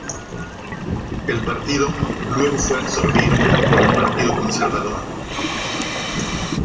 El partido luego fue absorbido por el Partido Conservador.